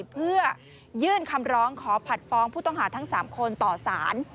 เพื่อยื่นคำร้องขอผัดฟ้องผู้ต้องหาทั้ง๓คนต่อสาร